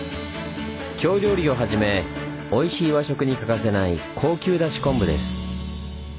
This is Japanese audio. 京料理をはじめおいしい和食に欠かせない高級だし昆布です。